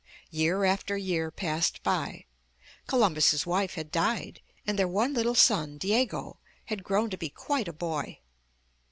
Year after year passed by; Columbus' wife had died, and their one little son, Diego, had grown to be quite a boy.